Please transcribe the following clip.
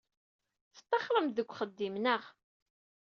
Tettaxrem-d seg uxeddim, naɣ?